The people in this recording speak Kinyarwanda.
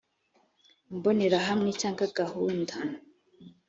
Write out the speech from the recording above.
imbonerahamwe cyangwa gahunda